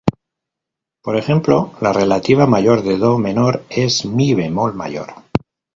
Por ejemplo, la relativa mayor de do menor es "mi" bemol mayor.